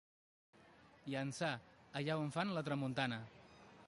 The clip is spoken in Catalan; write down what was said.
Llançà, allà on fan la tramuntana.